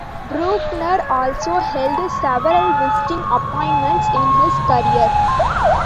Brueckner also held several visiting appointments in his career.